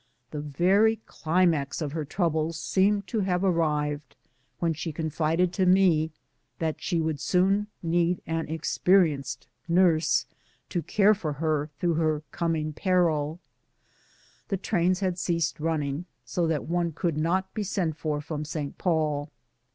The very climax of her troubles seemed to have arrived when she confided to me that she would soon need an experienced nurse to care for her through her coming 198 BOOTS AND SADDLES. peril. The trains had ceased running, so that one could not be sent on from St. Paul.